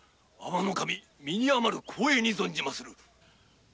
房守身に余る光栄に存じます。